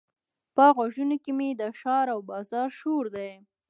په غوږونو کې مې د ښار او بازار شور دی.